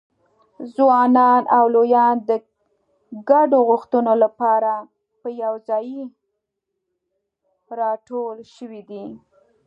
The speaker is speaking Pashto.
ځوانان او لویان د ګډو غوښتنو لپاره په یوځایي راټول شوي دي.